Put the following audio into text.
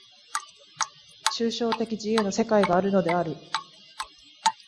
抽象的自由の世界があるのである。